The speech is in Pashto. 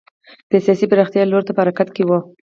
د سیاسي پراختیا لور ته په حرکت کې و.